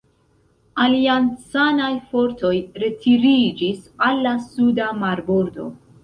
Aliancanaj fortoj retiriĝis al la suda marbordo.